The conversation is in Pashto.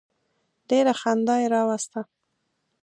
ډېره خندا یې راوسته.